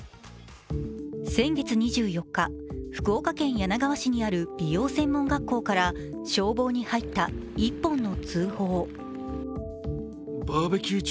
先月２４日、福岡県柳川市にある美容専門学校から消防に入った１本の通報。